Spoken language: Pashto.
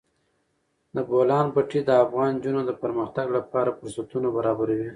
د بولان پټي د افغان نجونو د پرمختګ لپاره فرصتونه برابروي.